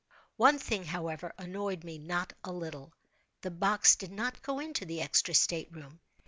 One thing, however, annoyed me not a little. The box did not go into the extra state room.